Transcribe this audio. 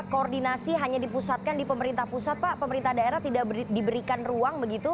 koordinasi hanya dipusatkan di pemerintah pusat pak pemerintah daerah tidak diberikan ruang begitu